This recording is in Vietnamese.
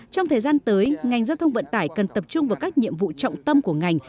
trong thời gian tới ngành giao thông vận tải cần tập trung vào các nhiệm vụ trọng tâm của ngành